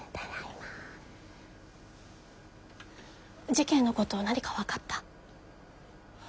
事件のこと何か分かった？